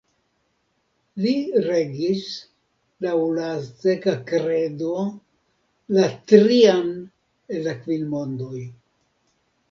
Li regis, laŭ la azteka kredo, la trian el la kvin mondoj.